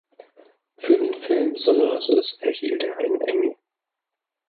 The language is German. Für den Film "The Nurses" erhielt er einen Emmy.